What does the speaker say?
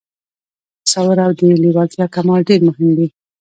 تصور او د لېوالتیا کمال ډېر مهم دي